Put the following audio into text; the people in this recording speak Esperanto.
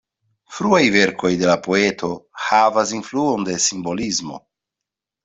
Fruaj verkoj de la poeto havas influon de simbolismo.